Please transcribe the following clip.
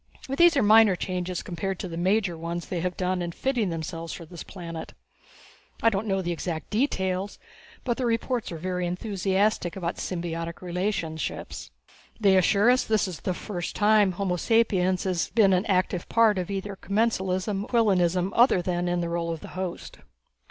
These are minor changes, compared to the major ones they have done in fitting themselves for this planet. I don't know the exact details, but the reports are very enthusiastic about symbiotic relationships. They assure us that this is the first time homo sapiens has been an active part of either commensalism or inquilinism other than in the role of host."